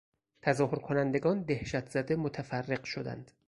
تظاهر کنندگان دهشتزده متفرق شدند.